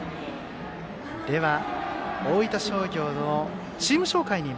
では、大分商業のチーム紹介です。